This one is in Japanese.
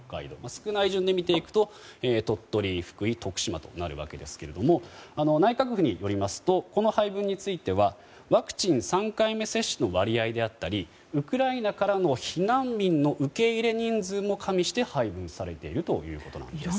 少ない順で見ていくと鳥取、福井、徳島となるわけですが内閣府によりますとこの配分についてはワクチン３回目接種の割合であったりウクライナからの避難民の受け入れ人数も加味して配分されているということです。